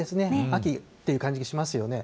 秋っていう感じがしますよね。